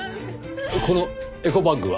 このエコバッグは？